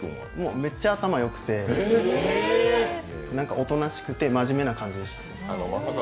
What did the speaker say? めっちゃ頭よくておとなしくて真面目な感じでした。